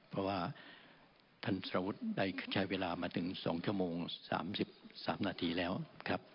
เพราะว่าท่านสรวุฒิได้ใช้เวลามาถึง๒ชั่วโมง๓๓นาทีแล้วครับ